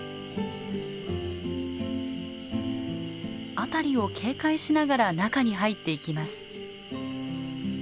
辺りを警戒しながら中に入っていきます。